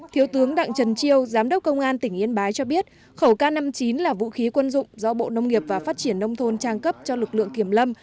thiếu tướng đặng trần chi giám đốc công an tỉnh yên bái cho biết khẩu k năm mươi chín là vũ khí quân dụng do bộ nông nghiệp và phát triển nông thôn trang cấp cho lực lượng kiểm lâm